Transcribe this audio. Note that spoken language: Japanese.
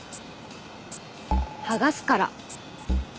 剥がすから。